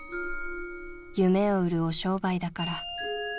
［「夢を売るお商売だから」］